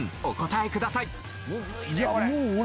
お答えください。